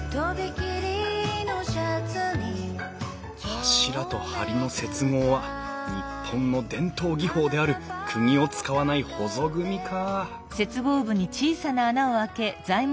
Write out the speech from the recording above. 柱と梁の接合は日本の伝統技法であるくぎを使わないほぞ組みか